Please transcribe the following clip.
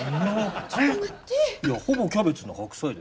いや「ほぼキャベツな白菜」だよ。